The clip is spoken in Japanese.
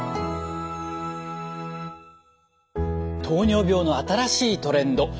糖尿病の新しいトレンド。